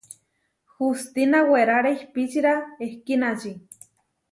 Hustína weráre ihpičira ehkínači.